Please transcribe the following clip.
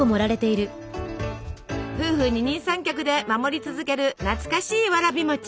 夫婦二人三脚で守り続ける懐かしいわらび餅。